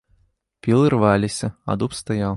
Пілы рваліся, а дуб стаяў.